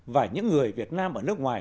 và những người việt nam ở nước ngoài